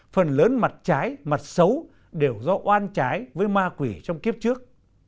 phần lớn mặt trái mặt xấu đều do oan trái với ma quỷ trong kiếp trước